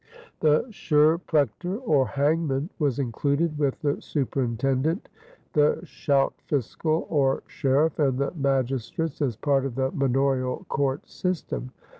The scherprechter, or hangman, was included with the superintendent, the schout fiscaal, or sheriff, and the magistrates as part of the manorial court system.